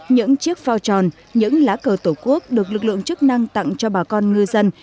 những chiếc phao tròn những lá cờ tổ quốc được lực lượng chức năng tặng cho bà con ngư dân